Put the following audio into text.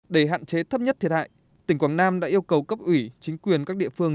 để hạn chế thấp nhất thiệt hại tỉnh quảng nam đã yêu cầu cấp ủy chính quyền các địa phương